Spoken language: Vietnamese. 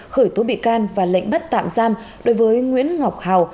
khởi tố bị can và lệnh bắt tạm giam đối với nguyễn ngọc hào